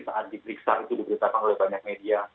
saat diperiksa itu diberitakan oleh banyak media